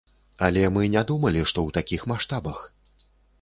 Але мы не думалі, што ў такіх маштабах!